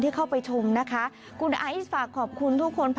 เข้าไปชมนะคะคุณไอซ์ฝากขอบคุณทุกคน